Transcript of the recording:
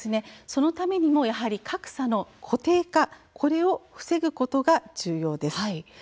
そのためにも格差の固定化を防ぐことが重要です。